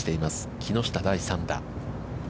木下、第３打。